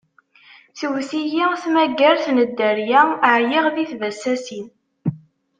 Tewwet-iyi tmagart n dderya, ɛyiɣ di tbasasin.